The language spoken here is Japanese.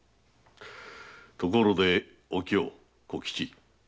ところでお京・小吉。